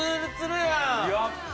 やった！